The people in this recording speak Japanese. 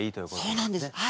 そうなんです。